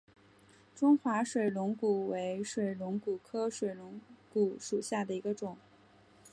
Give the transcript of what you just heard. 中华水龙骨为水龙骨科水龙骨属下的一个种。